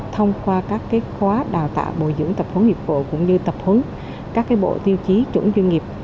thông qua các khóa đào tạo bồi dưỡng tập hướng nghiệp vụ cũng như tập huấn các bộ tiêu chí chủng doanh nghiệp